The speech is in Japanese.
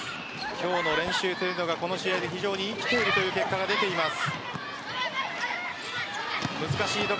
今日の練習というのがこの試合で非常に生きている結果が出ています。